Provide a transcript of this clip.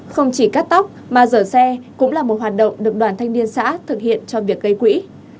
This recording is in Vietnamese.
không chỉ cắt tóc mà rửa xe cũng là một hoạt động được đoàn thanh niên xã thực hiện cho việc gây quỹ